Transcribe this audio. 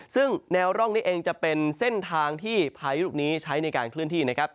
ซึ่งแนวร่องนี้เองจะเป็นเส้นทางที่พายุลูกนี้ใช้ในการเคลื่อนที่นะครับ